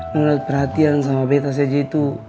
menurut perhatian sama betta saja itu